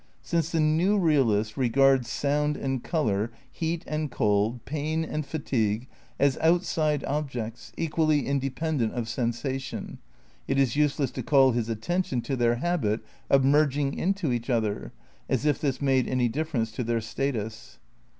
Since the new realist regards sound and colour, heat and cold, pain and fatigue as outside objects, equally independent of sensation, it is useless to call his attention ^ to their habit of merging into each other, as if this made any difference to their status.